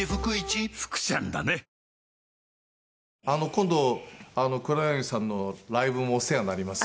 今度黒柳さんのライブもお世話になります。